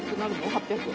８００円。